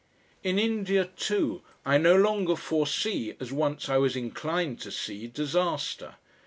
In India, too, I no longer foresee, as once I was inclined to see, disaster.